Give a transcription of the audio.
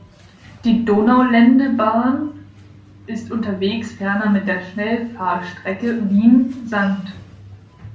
Die Donauländebahn ist unterwegs ferner mit der Schnellfahrstrecke Wien–St.